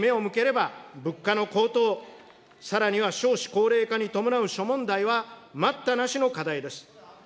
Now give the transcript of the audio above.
国内に目を向ければ、物価の高騰、さらには少子高齢化に伴う諸問題は待ったなしの課題です。